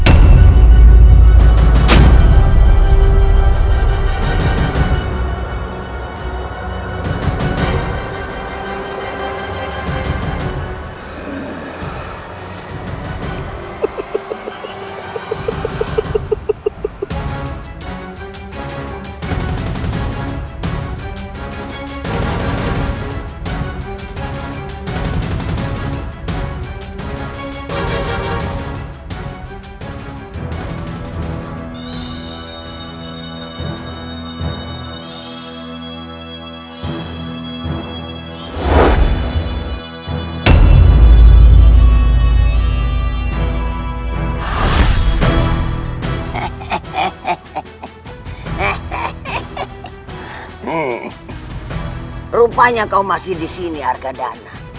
aku harus tetap mencari bunda